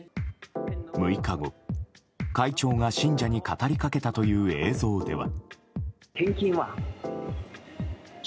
６日後、会長が信者に語りかけたという映像では。